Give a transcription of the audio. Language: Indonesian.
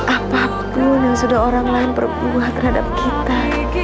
apapun yang sudah orang lain berbuah terhadap kita